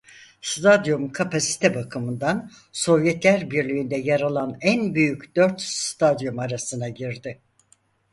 Stadyum kapasite bakımından Sovyetler Birliği'nde yer alan en büyük dört stadyum arasına girdi.